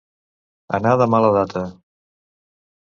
Anar de mala data.